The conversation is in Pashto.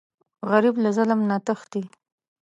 غریب له ظلم نه تښتي